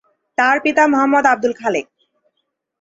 তার পিতা মো: আব্দুল খালেক।